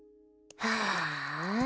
はあ。